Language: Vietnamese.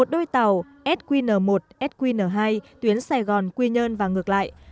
một đôi tàu sqn một sqn hai tuyến sài gòn quy nhơn và ngược lại